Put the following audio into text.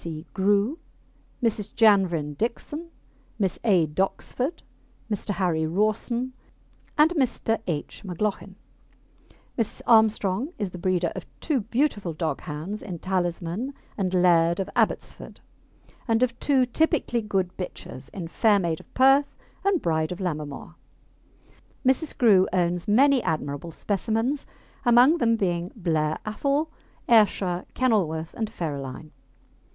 C. Grew, Mrs. Janvrin Dickson, Miss A. Doxford, Mr. Harry Rawson, and Mr. H. McLauchin. Mrs. Armstrong is the breeder of two beautiful dog hounds in Talisman and Laird of Abbotsford, and of two typically good bitches in Fair Maid of Perth and Bride of Lammermoor. Mrs. Grew owns many admirable specimens, among them being Blair Athol, Ayrshire, Kenilworth, and Ferraline.